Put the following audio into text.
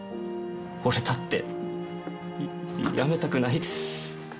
俺だってやめたくないです。